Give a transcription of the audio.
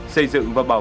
xây dựng và bảo